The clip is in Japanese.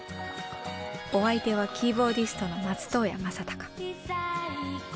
お相手はキーボーディストの松任谷正隆。